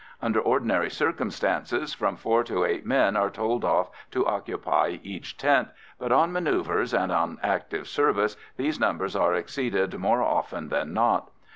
Under ordinary circumstances, from four to eight men are told off to occupy each tent, but on manœuvres and on active service these numbers are exceeded more often than not.